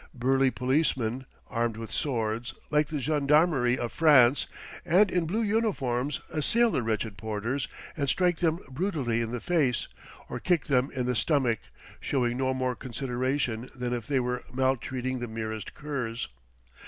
Burly policemen, armed with swords, like the gendarmerie of France, and in blue uniforms, assail the wretched porters and strike them brutally in the face, or kick them in the stomach, showing no more consideration than if they were maltreating the merest curs.